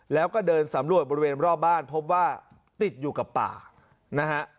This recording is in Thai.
แล้วก็เดินสำรวจบริเวณรอบบ้านพบว่าติดอยู่กับป่านะฮะ